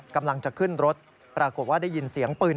กำลังจะขึ้นรถปรากฏว่าได้ยินเสียงปืน